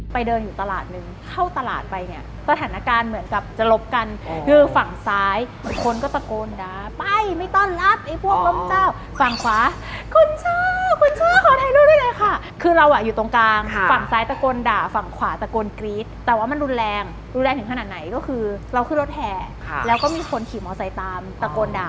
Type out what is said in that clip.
เดินอยู่ตลาดนึงเข้าตลาดไปเนี่ยสถานการณ์เหมือนกับจะลบกันคือฝั่งซ้ายคนก็ตะโกนด่าไปไม่ต้อนรับไอ้พวกล้มเจ้าฝั่งขวาคุณชื่อคุณช่อขอถ่ายรูปไว้เลยค่ะคือเราอ่ะอยู่ตรงกลางฝั่งซ้ายตะโกนด่าฝั่งขวาตะโกนกรี๊ดแต่ว่ามันรุนแรงรุนแรงถึงขนาดไหนก็คือเราขึ้นรถแห่แล้วก็มีคนขี่มอไซค์ตามตะโกนด่า